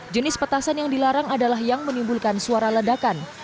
jenis petasan yang dilarang adalah yang menimbulkan suara ledakan